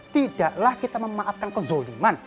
tidaklah kita memaafkan kezoliman